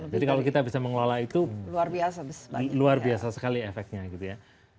jadi kalau kita bisa mengelola itu luar biasa sekali efeknya gitu ya